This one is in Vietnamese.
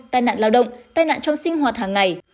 tai nạn lao động tai nạn trong sinh hoạt hàng ngày